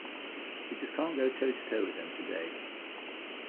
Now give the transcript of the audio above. We just can't go toe-to-toe with them today.